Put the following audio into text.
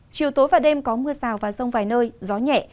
chiều tối và đêm có mưa rào và rông vài nơi gió nhẹ